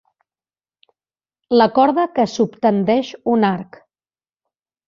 La corda que subtendeix un arc.